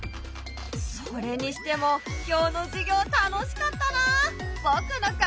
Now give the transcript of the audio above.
それにしても今日の授業楽しかったな！